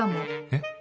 えっ？